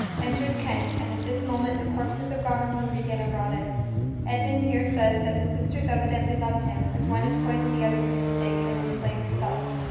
Enters Kent, and at this moment the corpses of Goneril and Regan are brought in. Edmund here says that the sisters evidently loved him, as one has poisoned the other for his sake, and then slain herself.